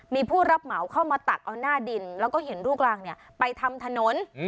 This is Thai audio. มีผู้รับเหมาเข้ามาตักเอาหน้าดินแล้วก็เห็นรูปรังไปทำถนน